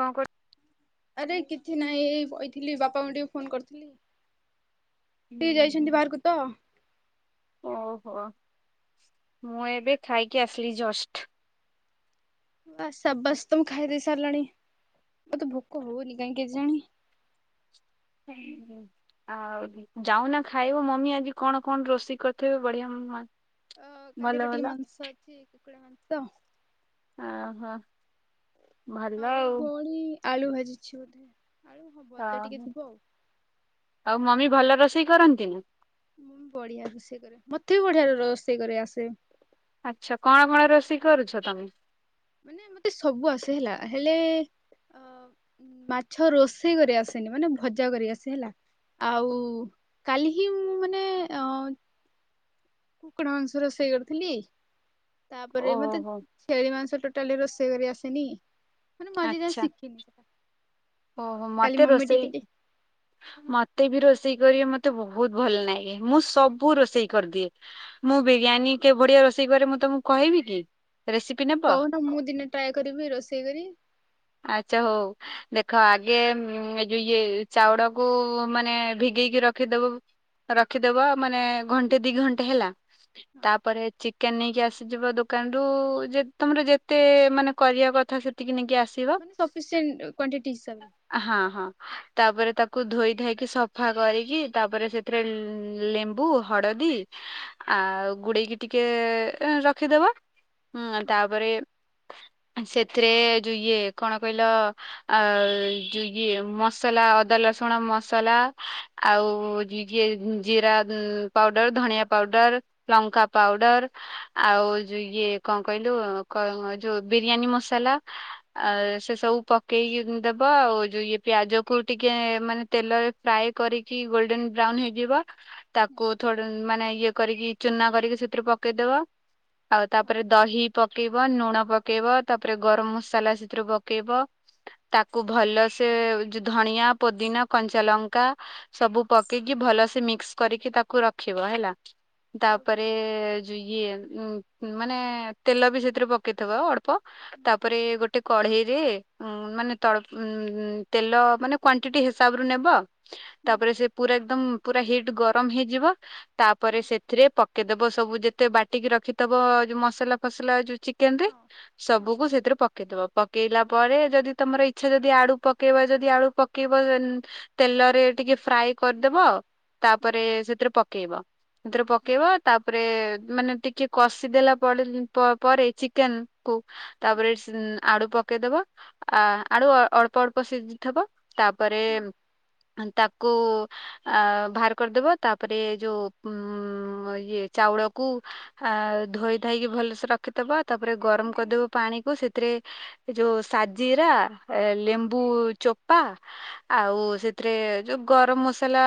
କଣ କର ଆରେ କିଛି ନାହିଁ ଏଇ ବଇଥିଲି ବାପାଙ୍କୁ ଟିକେ ଫୋନ୍ କରିଥିଲି। ଟିକେ ଯାଇଛନ୍ତି ବାହାରକୁ ତ [unintelligible] ଓ ହୋ ମୁଁ ଏବେ ଖାଇକି ଆସିଲି ଜଷ୍ଟ। ବାସ୍ ସାବାସ୍ତଙ୍କୁ ଖାଇ ଦେଇ ସାରିଲଣି ମତେ ଭୋକ ହଉନି କାହିଁ କେଜାଣି। ହୁଁଁ ହୁଁ [unintelligible] ଆଉ ଯାଉନା ଖାଇବ ମମି ଆଜି କଣ କଣ ରୋଷେଇ କରିଥିବେ ବଢ଼ିଆ ଅ କାଲିର ଟିକେ ମାଂସ ଅଛି କୁକୁଡ଼ା ମାଂସ। ଆ ହୋ। ଆଉ ଭଉଣୀ ଆଳୁ ଭାଜିଛି ବୋଧେ। ଆଳୁ ହଁ ଓ ଭଜା ଟିକେ ହୋ ଥିବ ଆଉ। ଆଉ ମମି ଭଲ ରୋଷେଇ କରନ୍ତି ନା? ମମି ବଢିଆ ରୋଷେଇ କରେ ମତେ ବି ବଢିଆ ରୋଷେଇ କରି ଆସେ। ଆଚ୍ଛା କଣ କଣ ରୋଷେଇ କରୁଛ ତମେ? ମାନେ ମତେ ସବୁ ଆସେ ହେଲା ହେଲେ ଅ ମାଛ ରୋଷେଇ କରି ଆସେନି ମାନେ ଭଜା କରି ଆସେ ହେଲା। ଆଉ କାଲି ହିଁ ମୁଁ ମାନେ ଅ କୁକୁଡ଼ା ମାଂସ ରୋଷେଇ କରିଥିଲି। ତାପରେ ମତେ ଓହୋ ଛେଳି ମାଂସ ଟୋଟାଲି ରୋଷେଇ କରି ଆସେନି ମାନେ ମୁଁ ଆଜି ଯାଏଁ ଶିଖିନି ସେଟା। ଓ ହୋ କାଲି ମୋତେ ମମି ରୋଷେଇ ଟିକେ ଟି ମୋତେ ବି ରୋଷେଇ କରି ମୋତେ ବହୁତ ଭଲ ଲାଗେ ମୁଁ ସବୁ ରୋଷେଇ କରିଦିଏ। ମୁଁ ବିରିୟାନୀ କେ ଭଳିଆ ରୋଷେଇ କରେ ମୁଁ ତମକୁ କହିବି କି? ରେସିପି ନେବ? କହୁନ ମୁଁ ଦିନେ ଟ୍ରାଏ କରିବି ରୋଷେଇ କରିବି। ଆଚ୍ଛା ହଉ। ଦେଖ ଆଗେ ଏ ଯେଉଁ ଇଏ ଚାଉଳକୁ ମାନେ ଭିଗେଇକି ରଖିଦେବ ରଖିଦେବ ମାନେ ଘଣ୍ଟେ ଦୁଇ ଘଣ୍ଟେ ହେଲା ହଁ ତାପରେ ଚି ଚିକେନ ନେଇକି ଆସିଯିବ ଦୋକାନରୁ ଯେ ତମର ଯେତେ ମାନେ କରିବା କଥା ସେତିକି ନେଇକି ଆସିବ। ସଫିଶିଏଣ୍ଟ କ୍ୱାଣ୍ଟିଟି ହିସାବରେ। ହଁ ହଁ ତାପରେ ତାକୁ ଧୋଇ ଧୁଆକି ସଫା କରିକି ତାପରେ ସେ ସେଥିରେ ଲେମ୍ବୁ ହଳଦୀ ଆଉ ଗୁଳେଇକି ଟିକେ ରଖିଦେବ। ହୁଁ ହଁ ତାପରେ ସେଥିରେ ଯେଉଁ ଇଏ କଣ କହିଲ ଅଁ ଯଉ ଇଏ ମସଲା ଅଦା ରସୁଣ ମସଲା ଆଉ ଜି ଜିରା ପାଉଡର ଧନିଆ ପାଉଡର ଲଙ୍କା ପାଉଡର ଆଉ ଯୋଉ ଇଏ କଣ କହିଲୁ ଯୋଉ ବିରିୟାନୀ ମସଲା ହଁ ଆଁ ସେ ସବୁ ପ ପକେଇକି ଦେବ ଆଉ ଯୋଉ ଇଏ ପିଆଜକୁ ଟିକେ ମାନେ ତେଲରେ ଫ୍ରାଏ କରି କି ଗୋଲ୍ଡେନ ବ୍ରାଉନ୍ ହୋଇଯିବ। ହୁଁ ତାକୁ ଥିରେ ମାନେ ଇଏ କରିକି ଚୁନା କରିକି ସେଥିରେ ପକେଇଦେବ। ଆଉ ହଁ ତାପରେ ଦହି ପକେଇବ ଲୁଣ ପକେଇବ ତାପରେ ଗରମ ମସଲା ସେଥିରେ ପକେଇବ। ତାକୁ ଭଲସେ ଯ ଧଣିଆ ପୋଦିନା କଞ୍ଚାଲଙ୍କା ସବୁ ପକେଇକି ଭଲସେ ମିକ୍ସ୍ କରିକି ତାକୁ ରଖିବ ହେଲା ତାପରେ ଯୋ ଇଏ ଉଁ ମାନେ ତେଲ ବି ସେଥିରେ ପକେଇଥବ ଅ ଳ୍ପ ହୁଁ ତାପରେ ଗୋଟେ କଢେଇରେ ଉଁ ମାନେ ତଳ ତେଲ ମାନେ କ୍ବାଣ୍ଟିଟି ହିସାବରେ ନେବ ହୁଁ ତାପରେ ସେ ପୁରା ଏକଦମ୍ ପୁରା ହିଟ୍ ଗରମ ହେଇଯିବ ତାପରେ ହଁ ସେଥିରେ ପ କେଦେବ ସବୁ ଯେତେ ବାଟିକି ରଖିଥବ ଯୋଉ ମସଲା ଫସଲା ଯୋଉ ଚି କେନ୍ ରେ ହଁ ହଁ ସବୁକୁ ସେଥିରେ ପକେଇଦବ ପକେଇଲା ପରେ ଯଦି ତମର ଇଚ୍ଛା ଯଦି ଆଡୁ ପକେଇବ ଯଦି ଆଳୁ ପକେଇବ ତେଲରେ ଟିକେ ଫ୍ରାଏ୍ ହଁ କରିଦବ ହୁଁ ତାପରେ ସେଥିରେ ପକେଇବ। ସେଥିରେ ହଁ ପକେଇବ ତାପରେ ମାନେ ଟିକେ କଷିଦେଲା ପରେ ପ ପରେ ଚିକେନ୍ କୁ ହଁ ତାପରେ ଆଡୁ ପକେଇଦବ ଆଡୁ ଅଳ୍ପ ଅଳ୍ପ ସିଜିଥବ ତାପରେ ହୁଁ ତାକୁ ଆ ବାହାର କରିଦବ ତାପରେ ଯୋଉ ଉଁ ଇୟେ ଚାଉଳକୁ ଆ ଧୋଇ ଧାଇକି ଭଲସେ ର ଖିଦବ ତାପରେ ଗରମ ହଁ କରିଦବୁ ପାଣିକୁ ସେଥିରେ ଯୋଉ ସା ଜିରା ଲେମ୍ବୁଚୋପା ଆଉ ସେଥିରେ ଯୋଉ ଗରମ ମସଲା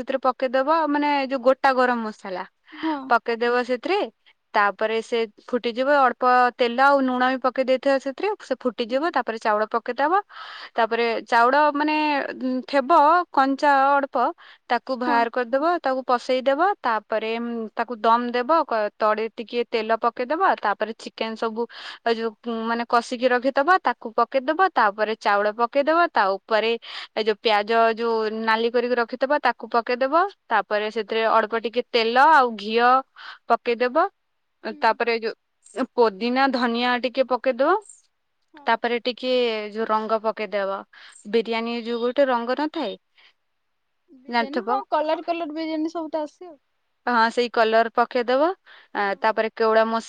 ସେଥିରେ ପକେଇଦବ ମାନେ ଯୋଉ ଗୋ ଟା ଗରମ ମସଲା ହଁ। ପକେଇଦବ ସେଥିରେ ତାପରେ ସେ ଫୁଟିଯିବ ଅଳ୍ପ ତେଲ ଆଉ ଲୁଣ ବି ପକେଇ ଦେଇଥିବ ସେଥିରେ ସେ ହୁଁ ଫୁଟିଯିବ ତା ପରେ ଚାଉଳ ପକେଇଦବ ତାପରେ ଚାଉଡ ମାନେ ଥେବ କଞ୍ଚା ଅଡ୍ପ ତାକୁ ହଁ ବାହାର କରିଦବ ତାକୁ ପଶେଇଦବ ତାପରେ ତାକୁ ଦମ୍ ଦେବ ତଡେଇରେ ଟିକେ ତେଲ ପକେଇଦବ ତାପରେ ଚି କେନ୍ ସବୁ ଯୋଉ ମାନେ କଷିକି ରଖିଥିବ ତା କୁ ପକେଇଦବ ତାପରେ ଚାଉଳ ପକେଇଦବ ତା ଉପରେ ଏ ଯୋଉ ପିଆଜ ଯୋଉ ନାଲି କରିକି ରଖିଥବ ତାକୁ ପକେଇଦବ ତାପରେ ସେଥିରେ ଅଳ୍ପ ଟିକେ ତେଲ ଆଉ ଘିଅ ପକେଇଦବ ହୁଁ ତାପରେ ଯୋ ପୋଦିନା ଧନିଆ ଟିକେ ପକେଇଦବ ହଁ ତାପରେ ଟିକେ ଯୋ ରଙ୍ଗ ପକେଇଦବ ବିରିୟାନୀ ଯୋଉ ଗୋଟେ ରଙ୍ଗ ନଥାଏ [inaudible] ବିରିୟାନୀ ଜାଣିଥିବ ହଁ କଲର୍ କଲର୍ ବିରିୟାନୀ ସବୁ ତ ଆସେ। ହଁ ସେଇ କଲର ପକେଇଦବ ଆ ହଁ ତାପରେ କେଉଡା ମ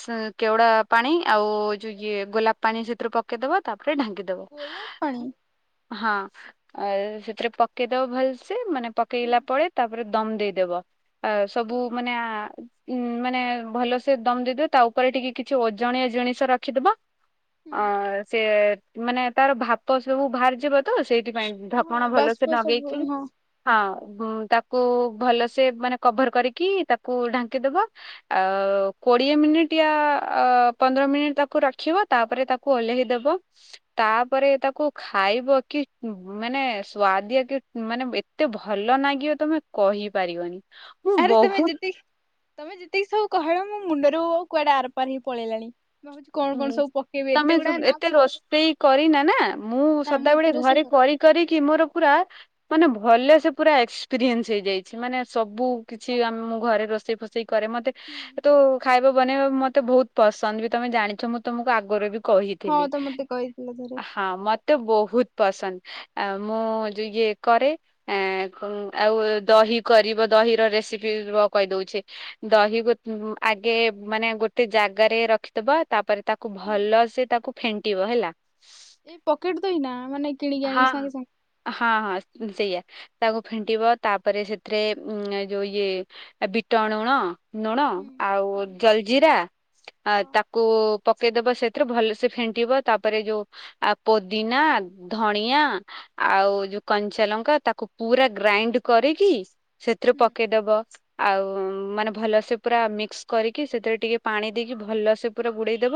କେଉଡା ପାଣି ଆଉ ଯୋଉ ଇଏ ଗୋଲାପ ପାଣି ସେଥୁରୁ ପ କେଇ ଦବ ତାପରେ ଢାଙ୍କି ଦବ ଗୋଲାପ ପାଣି ହଁ ସେଥିରେ ପକେଇଦବ ଭଲସେ୍ ମାନେ ପକେଇଲା ହଁ ପରେ ତାପରେ ଦମ୍ ଦେଇଦବ ଆ ସବୁ ହଁ ମାନେ ଆ ଉ ମାନେ ଭଲସେ ଦମ୍ ଦେଇଦବ ତା ଉପରେ ଟିକେ କିଛି ଓଜଣିଆ ଜିଣିଷ ରଖିଦବ ଅ ସେ ମାନେ ତାର ଭାତ ସବୁ ବାହାରିଯିବ ତ ସେଇଥିପାଇଁ ହଁ ଧପଣ ଭଲସେ ବାଷ୍ପ ସବୁ ନଗେଇଚି ହଁ ହଁ ତାକୁ ଭଲସେ ମାନେ କଭର କରିକି ତାକୁ ଢାଙ୍କିଦବ ଅ କୋଡିଏ ମିନିଟ୍ ୟା ପନ୍ଦର ମିନିଟ୍ ତାକୁ ରଖିବ ତାପରେ ତା କୁ ଓହ୍ଲେଇ ଦବ। ତାପରେ ତାକୁ ଖାଇବ କି ମାନେ ସୁଆଦିଆ କି ମାନେ ଏତେ ଏତେ ଭଲ ନାଗିବ ତମେ କହିପାରିବନି ମୁଁ ଆରେ ବହୁତ। ତମେ ଯେତିକି ତମେ ଯେତିକି ସବୁ କହିବ ମୋ ମୁଣ୍ଡରୁ କୁଆଡେ ଆରପାରିକି ପଳେଇଲାଣି। ମୁଁ ଭାବୁଛି କଣ କଣ ହୁଁ ସବୁ ପକେଇବି ଏତେ ତମେ ଗୁଡା ନା ଏତେ ରୋଷେଇ କରିନା ନା ମୁଁ ନା ମୁଁ ସଦାବେଳେ ଏତେ ରୋଷେଇ ଘରେ କରେ। କରି। କରିକି ମୋର ପୁରା ମାନେ ଭଲ ସେ ପୁରା ଏକ୍ସପ୍ରିଏନ୍ସ ହେଇଯାଇଛି ମାନେ ସବୁ। କିଛି ଆମ ମୁଁ ଘରେ ରୋଷେଇ ଫୋଷେଇ କରେ ମତେ। କିନ୍ତୁ ଖାଇବା ବନେଇବା ମତେ ବହୁତ ପସନ୍ଦ ବି ତମେ ଜାଣିଛ ମୁଁ ତମକୁ ଆଗରୁ ବି। ହଁ କହିଥିଲି ତ ମତେ କହିଥିଲ ଥରେ ହଁ ମତେ ବହୁତ ପସନ୍ଦ। ଆ ମୁଁ ଯେ ଇଏ କରେ। ଆଁ ଆଉ ଦହି କରିବ ଦହିର ରେସିପି ରୁହ କହିଦଉଛି। ଦହି ଗୋ ଆଗେ ମାନେ ଗୋଟେ ଜାଗାରେ ରଖିଦବ। ତାପରେ ତାକୁ ଭଲ ସେ ତାକୁ ଫେଣ୍ଟିବ ହେଲା। ଏଇ ପକେଟ ଦହି ନା ମାନେ କିଣିକି ଆଣି ହଁ ସାଙ୍ଗେ ସାଙ୍ଗେ। ହଁ ହଁ ସେଇଆ। ତାକୁ ଫେଣ୍ଟିବ ତାପରେ ସେଥିରେ ଉ ଯୋଉ ଇଏ ବିଟ ଲୁଣ। ଲୁଣ ହଁ ଆଉ ହଁ ଜଲଜିିରା ଆ ତା କୁ ପକେଇଦବ ସେଥିରେ ଭଲ ସେ ଫେଣ୍ଟିବ ତାପରେ ଯୋଉ ଆ ପୋଦିନା। ଧଣିଆ ଆଉ ଯୋଉ କଞ୍ଚା ଲଙ୍କା ତାକୁ ପୁରା ଗ୍ରାଇଣ୍ଡ କରିକି। ସେଥିରୁ ହୁଁ ପକେଇଦବ ଆଉ ମାନେ ଭଲସେ ପୁରା ମିକ୍ସ କରିକି ସେଥିରେ ଟିକେ। ପାଣି ହଁ ଦେଇକି ଭଲ ସେ ପୁରା ଗୋଡେଇଦବ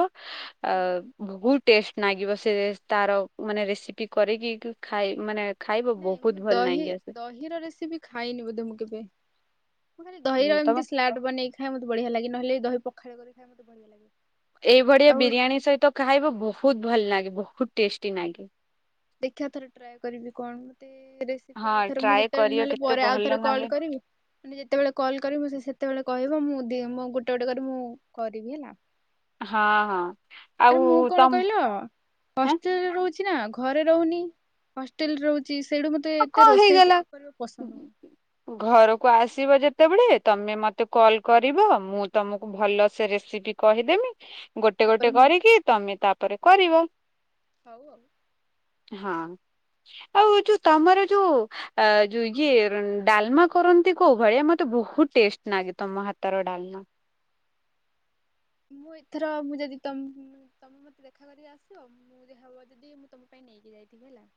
ଆ ହୁଁ। ବହୁତ ଟେଷ୍ଟ। ନାଗିବ ସେ ତାର ମାନେ ରେସିପି କରିକି ଖାଇ ମାନେ। ଖାଇବ ନାଇଁ ବହୁତ ମୁଁ ଭଲ ଦହି ଦହି। ଲାଗି ଆସେ ଦହିର ରେସିପି ଖାଇନି ବୋଧେ ମୁଁ କେବେ ମୁଁ ଖାଲି ଦହିର ତମେ ଏମିତି ସ୍ଲାଡ ବନେଇକି। ଖାଇ ମତେ ବଢିଆ ଲାଗେ ନହେଲେ ଦହି ପଖାଳ କରିକି ଖାଏ ମତେ ଭଲ ଲାଗେ। ଏଇଭଳିଆ ଆଉ ବିରିୟାନୀ ସହିତ ଖାଇବ ବହୁତ ଭଲ ଲାଗିବ ବହୁତ ଟେଷ୍ଟି ଲାଗେ। ଦେଖିବା ଥରେ ଟ୍ରାଏ କରିବି କଣ ମତେ। ରେସିପି ଆଉ ହଁ ଥରେ ମୁଁ ଟ୍ରାଏ ଯେତେବେଳେ କରିବ ନହେଲେ କେତେ ପରେ ଭଲ ଆଉ ଥରେ କଲ୍ ଲାଗେ କରିବି। ମାନେ ଯେତେବେଳେ କଲ୍ କରିିବି ମୁଁ ସେତେବେଳେ କହିବ ମୁଁ ଦି ମୁଁ ଗୋଟେ ଗୋଟେ କରି ମୁଁ କରିବି ହେଲା। ହଁ ହଁ। ଆରେ ଆଉ ମୁଁ କଣ ତମ କହିଲ ହେଁ ହଷ୍ଟେଲରେ ରହୁଛି ନା ଘରେ ରହୁନି ହସ ହଷ୍ଟେଲରେ ରହୁଛି ସେଇଠୁ ମୋତେ ଆଉ ଏତେ କଣ ରୋଷେଇ ହେଇଗଲା କରିବାକୁ ପସନ୍ଦ ନୁହଁ। ଘରକୁ ଆସିବ ଯେତେବେଳେ ତମେ ମତେ କଲ୍ କରିବ ମୁଁ ତମକୁ ଭଲ ସେ ରେସିପି। କହିଦେମି ଗୋଟେ ତାପରେ ଗୋଟେ ମୁଁ କରିକି ତମେ ତାପରେ କରିବ। ହଉ ଆଉ। ହଁ ଆଉ ଯୋଉ ତମର ଯୋଉ ଆ ଯଉ ଇଏ ଡାଲମା କରନ୍ତି କୋଉ ଭଳିଆ ମତେ ବହୁତ ଟେଷ୍ଟ ଲାଗେ ତମ ହାତର ଡାଲମା। ମୁଁ ଏଥର ମୁଁ ଯଦି ତମ ମତେ ଦେଖା କରିକି ଆସିବ ମୁଁ ଯଦି ହବ ଯଦି ମୁଁ ତମ ପାଇଁ ନେଇକି ଯାଇଥିବି ହେଲା।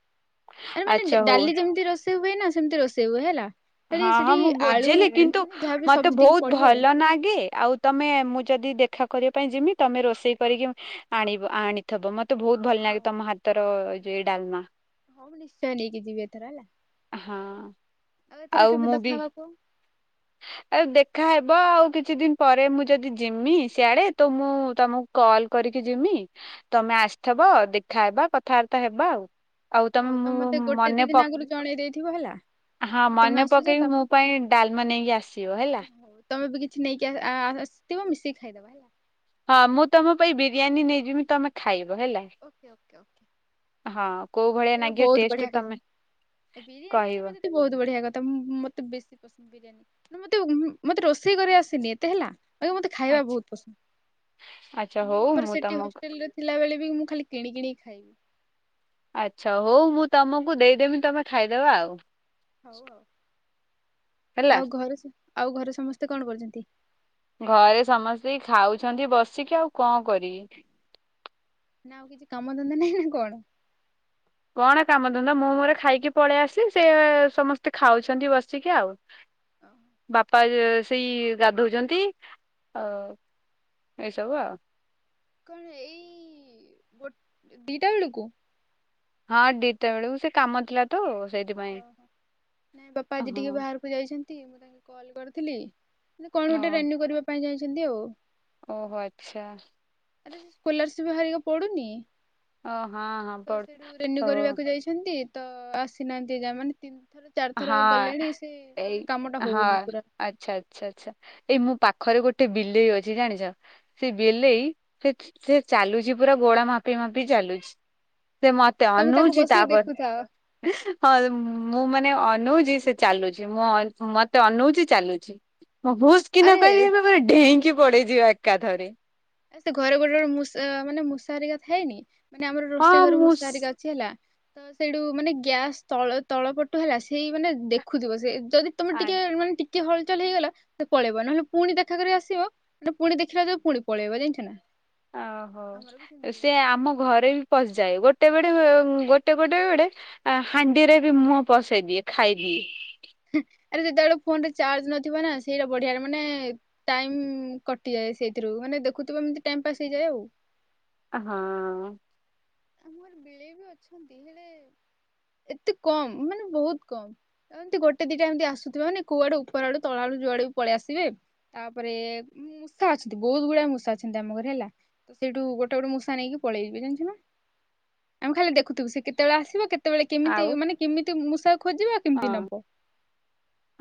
ଆରେ ମାନେ ଆଚ୍ଛା ହଉ ଡାଲି ଯେମିତି ରୋଷେଇ ହୁଏ ନା ସେମିତି ରୋଷେଇ ହୁଏ ହେଲା। ଖାଲି ହଁ ହଁ ସେଠି ମୁଁ ଆଳୁ ବୁଝିଲି କିନ୍ତୁ ମାନେ ଯାହାବି ମତେ ସବଜି ଟିକେ ବହୁତ ପଡିବ ଆଉ। ଭଲ ନାଗେ ଆଉ ତମେ ମୁଁ ଯଦି ଦେଖା କରିବା ପାଇଁ ଯିମି ତମେ ରୋଷେଇ କରିକି ଆଣିବ ଆଣି ଥବ ମତେ ବହୁତ ଭଲ ଲାଗେ ହଉ ତମ ହାତର ଯେ ଡାଲମା। ହଁ ମୁଁ ନିଶ୍ଚୟ ନେଇକି ଯିବି ଏଥର ହେଲା ହଁ ଆଉ ଏଥର କେବେ ମୁଁ ବି ଦେଖାହବା କୁହ? ଆଉ ଦେଖାହବ ଆଉ କିଛି ଦିନ ପରେ ମୁଁ ଯଦି ଯିମି ସିଆଡେ ତ ମୁଁ ତମକୁ କଲ କରିକି ଯିମି ତମେ ଆସିଥିବ ଦେଖାହବା କଥାବାର୍ତ୍ତା ହେବା ଆଉ ଆଉ ହଉ ତମେ ମୁଁ ମୋତେ ଗୋଟେ ମନେ ଦି ପ ଦିନ ଆଗରୁ ଜଣେଇ ଦେଇଥିବ ହେଲା। ହଁ କି ତମେ ମନେ ଆସୁଛ ପକେଇକି ମୋ ତାପରେ ପାଇଁ ଡାଲମା ନେଇକି ଆସିବ ହେଲା। ହଉ ତମେ ବି କିଛି ନେଇକି [unintelligible] ଆସିଥିବ ମିଶିକି ଖାଇଦବା। ହଁ ମୁଁ ତମ ପାଇଁ ବିରିୟାନୀ ନେଇଯିବି ତମେ ଖାଇବ ହେଲା। Okay okay okay. ହଁ କୋଉ ଭଳିଆ? ସେଟା ନାଗିବ ବହୁତ ଟେଷ୍ଟ ବଢିଆ ତମେ କଥା ବିରିୟାନୀ କହିବ ଆଣିବ ଯଦି ବହୁତ ବଢିଆ କଥା ମତେ ବେଶୀ ପସନ୍ଦ ବିରି ମତେ, ମତେ ରୋଷେଇ କରି ଆସିନି ଏତେ ହେଲା। ଆଗ୍ୟା ମତେ ଖାଇବା ଆଚ୍ଛା ବହୁତ ପସନ୍ଦ, ଆଚ୍ଛା ହଉ ମୁଁ ଆମର ସେଠି ତମକୁ ହଷ୍ଟେଲରେ ଥିଲାବେଳେ ବି ମୁଁ ଖାଲି କିଣି କିିଣିକି ଖାଇବି। ଆଚ୍ଛା ହଉ ମୁଁ ତମକୁ ଦେଇଦେମି ତମେ ଖାଇଦବ ଆଉ। ହଉ ଆଉ, ହେଲା। ଆଉ ଘରେ, ଆଉ ଘରେ ସମସ୍ତେ କଣ କରୁଛନ୍ତି? ଘରେ ସମସ୍ତେ ଖାଉଛନ୍ତି ବସିକି ଆଉ କଣ କରିବେ। ନା ଆଉ କିଛି କାମ ଧନ୍ଦା ନାହିଁ ନା କଣ? କଣ କାମଧନ୍ଦା ମୁଁ ମୋର ଖାଇକି ପଳେଇ ଆସିଲି ସେ ସମସ୍ତେ ଖାଉଛନ୍ତି ବସିକି ଆଉ। ଓହୋ ବାପା ଜେସ୍ ସେଇ ଗାଧଉଛନ୍ତି, ଆଉ ଏସବୁ ଆଉ। କଣ ଏଇ ଗୋ ଦିଇଟା ବେଳକୁ? ହଁ ଦିଇଟା ବେଳୁ ସେ କାମ ଥିଲା। ତ ସେଇଥିପାଇଁ ଓହୋ ନାଇଁ ବାପା ଆଜି ଟିକେ ହଁ ବାହାର କୁ ଯାଇଛନ୍ତି, ମୁଁ ତାଙ୍କୁ କଲ୍ କରିଥିଲି କଣ ଓ ଗୋଟେ ରେନ୍ୟୁ କରିବା ପାଇଁ ଯାଇଛନ୍ତି ଆଉ। ଓହୋ ଆଚ୍ଛା। ଆରେ ସ୍କୋଲାରସିପ ବାହାରିକା ପଡୁନି ଓ ହଁ ହଁ ତ ପଢୁ ସେଠୁ ରେନ୍ୟୁ ଓ କରିବାକୁ ଯାଇଛ ଛନ୍ତି ତ ଆସିନାହାନ୍ତି ଏଯାଏ ମାନେ ତିନି ଥର। ଚାରିଥର ହଁ ଗଲେଣି ସେଇ ଏଇ ମାନେ କାମଟା ହଁ ହଉନି ପୁରା। ଆଚ୍ଛା, ଆଚ୍ଛା, ଆଚ୍ଛା ଏଇ ମୋ ପାଖରେ ଗୋଟେ ବିଲେଇ ଅଛି ଜାଣିଛ। ସେଇ ବିଲେଇ ସେ ସେ ଚାଲୁଛି ପୁରା ଗୋଳା ମାପି ମାପି ଚାଲୁଛି। ସେ ମତେ ତମେ ତାକୁ ଅନଉଛି ବସିକି ଦେଖୁଥାଅ ତାପରେ ହଁ ମୁଁ ମା ନେ ଅନଉଛି ସେ ଚାଲୁଛି ମୁଁ ମତେ ଅନଉଛି ଚାଲୁଛି, ମୁଁ ହୁସ୍ କିନା ଆରେ କହିବି ଏବେ ପୁରା ଡେଇଁକି ପଡେଇଯିବ ଏକାଥରେ। ଆଉ ସେ ଘରେ ଗୋଟେ ଗୋଟ ମୂଷା ମାନେ ମୂଷା ହେରିକା ଥାଏନି ମାନେ ଆମର ହଁ ରୋଷେଇ ଘରେ ମୁଁ ମୂଷା ସ୍ ହେରିକା ଛି ହେଲା ତ ସେଇଠୁ ମାନେ ଗ୍ୟାସ୍ ତଳ ତଳ ପଟୁ ହେଲା ସେଇ ମାନେ ଦେଖୁଥିବ ସେ ଯଦି ତମେ ଆ ଟିକେ ମାନେ ଟି କେ ହଲ୍ ଚଲ୍ ହେଇଗଲା ସେ ପଳେଇବ ନହେଲେ ପୁଣି ଦେଖା କରି ଆସିବ ମାନେ ପୁଣି ଦେଖିଲା ଯଉ ପଳେ ପଳେଇବ ଜାଣିଛୁ ନା। ଆ ହଉ, ବି ସେମିତି ସେ ହୁଏ। ଆମ ଘରେ ବି ପସିଯାଏ, ଗୋଟେ ବେଳେ ଗୋଟେ ପଟେ ବେଡ଼େ ଆ ହାଣ୍ଡିରେ ବି ମୁହଁ ପସେଇ ଦିଏ ଖାଇଦିଏ। [inaudible] ଆରେ ଯେତେବେଳେ ଫୋନଟା ଚାର୍ଜ ନଥିବ ନା ସେଇଟା ବଢିଆରେ ମାନେ ଟାଇମ୍ କଟିଯାଏ ସେଇଥିରୁ ମାନେ ଦେଖୁଥିବ ଏମିତି ଟାଇମ୍ ପାସ୍ ହେଇଯାଏ ଆଉ। ଆ ହଁ। ଆମର ବିଳେଇ ବି ଅଛନ୍ତି ହେଲେ [inaudible] ଏତେ କମ୍ ମାନେ ବହୁତ କମ୍। ଏମିତି ଗୋଟେ ଦିଇଟା ଏମିତି ଆସୁଥିବେ ମାନେ କୁଆଡୁ କୁଆଡୁ ତଳ ଆଡୁ ଯୁଆଡେ ବି ପଳି ଆସିଥିବେ। ତାପରେ? ମୂଷା ଅଛନ୍ତି ବହୁତ ଗୁଡଆ ମୂଷା ଅଛନ୍ତି ଆମ ଘରେ ହେଲା ତ ସେଇଠୁ ଗୋଟେ ଗୋଟେ ମୂଷା ନେଇକି ପଳେଇବ ଜାଣିଛ ନା। ଆମେ ଖାଲି ଦେଖୁଥିବୁ ସେ କେତେବେଳେ ଆସିବା କେତେବେଳେ କେମିତି ଆଉ ମାନେ କେମିତି ମୂଷା ଖୋଜିବ? ହଁ କେମିତି ନବ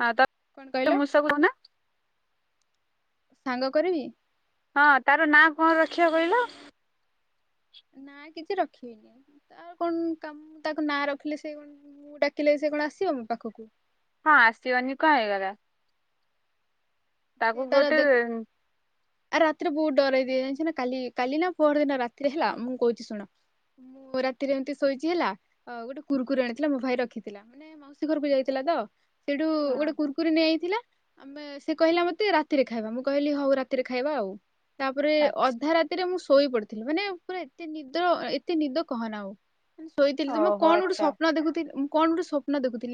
ହଁ ତ କହିଲା? [inaudible] ସାଙ୍ଗ କରିବି? ହଁ ତାର ନାଁ କଣ ରଖିବା କହିଲ? ନା କିଛି ରଖିବିନି। ତ କଣ କାମ ତାକୁ ନାଁ ରଖିଲେ ସେ କଣ ମୁଁ ଡାକିଲେ ସେ କଣ ଆସିବ ମୋ ପାଖକୁ? ହଁ ଆସିିବନି କଣ ହେଇଗଲା। ତାକୁ ସେଇ ତାରା ଗୋଟେ ଦେଖ? ଆଉ ରାତିରେ ବହୁତଡରଇ ଦିଏ ଜାଣିଛ ନା କାଲି କାଲି ନା ପର ଦିନ ରାତିରେ ହେଲା ମୁଁ କହୁଛି ଶୁଣ। ମୁଁ ରାତିରେ ଏମିତି ଶୋଇଛି ହେଲା ଗୋଟେ କୁରୁକୁରୁ ଆଣିଥିଲା ମୋ ଭାଇ ରଖିଥିଲା ମାନେ? ମାଉସୀ ଘରକୁ ଯାଇଥିଲା ତ ସେଇଠୁ ଗୋଟେ କୁର୍କୁରି ନିଆଯାଇଥିଲା ଆମେ? ସେ କହିଲା ମତେ ରାତିରେ ଖାଇବା ମୁଁ କହିଲି ହଉ ରାତିରେ ଖାଇବା ଆଉ ତାପରେ ଆଛା ଅଧା ରାତି? ରାତି ରେ ମୁଁ ଶୋଇ ପଡିଥିଲି ମାନେ ପୁରା ଏତେ ନିଦ ଏତେ ନିଦ କହନା ଆଉ। ମାନେ ଶୋଇଥିଲି ତମ ଓହୋ କଣ ଗୋଟେ ଆଚ୍ଛା। ସ୍ୱପ୍ ଦେଖୁଥିଲ ମୁଁ କଣ ଗୋଟେ ସ୍ୱପ୍ନ ଦେଖଥିଲି।